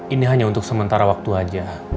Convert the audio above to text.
ini hanya untuk sementara waktu saja